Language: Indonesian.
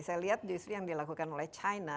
saya lihat justru yang dilakukan oleh china